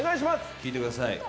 聴いてください